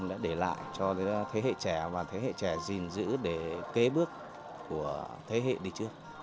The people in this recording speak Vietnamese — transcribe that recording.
đã để lại cho thế hệ trẻ và thế hệ trẻ gìn giữ để kế bước của thế hệ đi trước